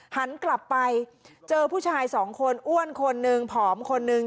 หันกลับไปเจอผู้ชายสองคนอ้วนคนหนึ่งผอมคนนึง